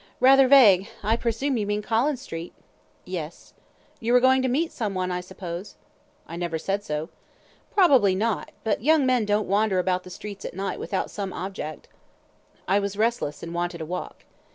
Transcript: "Rather vague. I presume you mean Collins Street?" "Yes." "You were going to meet some one, I suppose?" "I never said so." "Probably not; but young men don't wander about the streets at night without some object." "I was restless and wanted a walk."